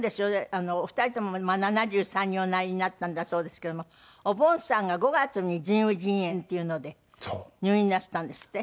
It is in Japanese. あのお二人とも７３におなりになったんだそうですけれどもおぼんさんが５月に腎盂腎炎っていうので入院なすったんですって？